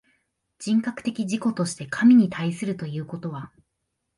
人格的自己として神に対するということは、